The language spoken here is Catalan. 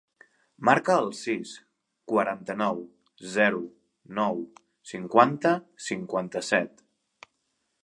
Marca el sis, quaranta-nou, zero, nou, cinquanta, cinquanta-set.